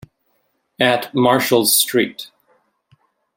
At Marshall Street.